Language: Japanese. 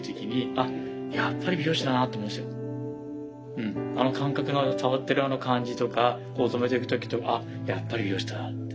うんあの感覚の触ってるあの感じとかこう留めていく時やっぱり美容師だなって。